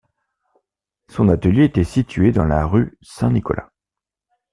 Son atelier était situé dans la rue Saint-Nicolas.